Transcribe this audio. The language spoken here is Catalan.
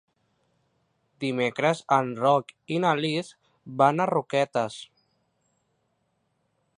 Dimecres en Roc i na Lis van a Roquetes.